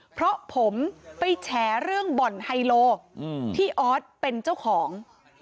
เพราะผมไปแฉเรื่องบ่อนไฮโลที่ออสเป็นเจ้าของ